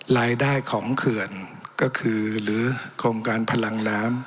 รายได้ของเขื่อนก็คือหรือโครงการพลังน้ำ